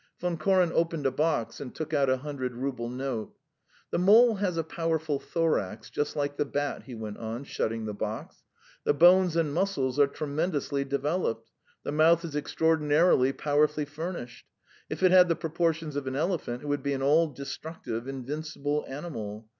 Von Koren opened a box and took out a hundred rouble note. "The mole has a powerful thorax, just like the bat," he went on, shutting the box; "the bones and muscles are tremendously developed, the mouth is extraordinarily powerfully furnished. If it had the proportions of an elephant, it would be an all destructive, invincible animal.